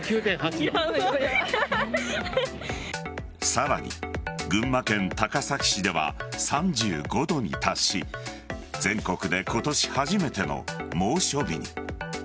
さらに、群馬県高崎市では３５度に達し全国で今年初めての猛暑日に。